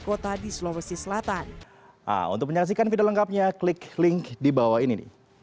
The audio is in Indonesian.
kota di sulawesi selatan untuk menyaksikan video lengkapnya klik link di bawah ini